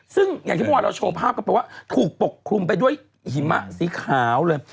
ซึ่งอย่างที่เมื่อวานเราโชว์ภาพกันไปว่าถูกปกคลุมไปด้วยหิมะสีขาวเลย